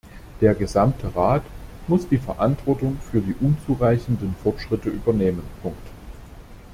Der gesamte Rat muss die Verantwortung für die unzureichenden Fortschritte übernehmen.